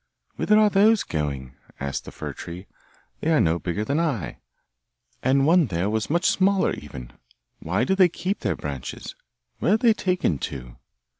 'Whither are those going?' asked the fir tree; 'they are no bigger than I, and one there was much smaller even! Why do they keep their branches? Where are they taken to?